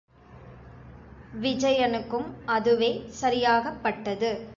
விஜயனுக்கும் அதுவே சரியாகப்பட்டது.